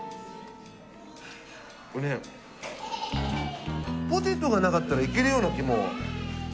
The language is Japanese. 俺ポテトがなかったらいけるような気も。